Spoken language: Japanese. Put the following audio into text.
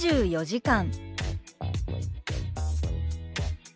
「２４時間」。